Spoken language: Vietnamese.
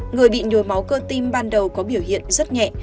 người bị nhồi máu cơ tim ban đầu có biểu hiện rất nhẹ